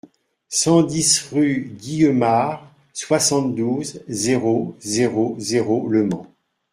cent dix rue Guillemare, soixante-douze, zéro zéro zéro, Le Mans